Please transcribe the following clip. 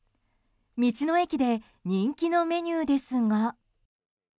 道の駅で人気のメニューですが。